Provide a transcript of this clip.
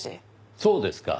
そうですか。